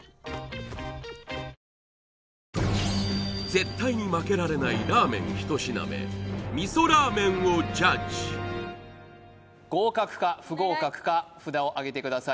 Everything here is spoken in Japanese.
絶対に負けられないラーメン１品目味噌ラーメンをジャッジ合格か不合格か札をあげてください